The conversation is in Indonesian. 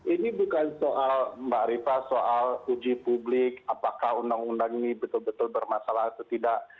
ini bukan soal mbak rifa soal uji publik apakah undang undang ini betul betul bermasalah atau tidak